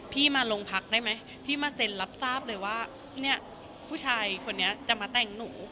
พี่มาโรงพักได้ไหมพี่มาเซ็นรับทราบเลยว่าเนี่ยผู้ชายคนนี้จะมาแต่งหนู